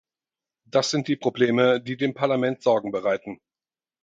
Das sind die Probleme, die dem Parlament Sorgen bereiten.